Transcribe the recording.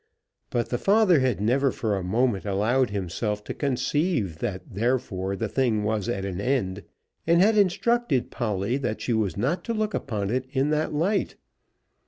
But the father had never for a moment allowed himself to conceive that therefore the thing was at an end, and had instructed Polly that she was not to look upon it in that light.